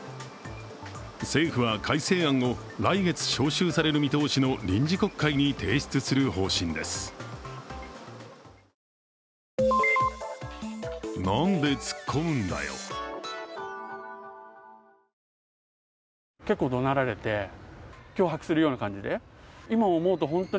政府は改正案を来月召集される見通しの臨時国会に提出する見込みです。